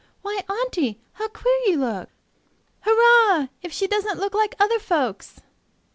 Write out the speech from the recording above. "Why, Aunty, how queer you look!" "Hurrah! if she don't look like other folks!"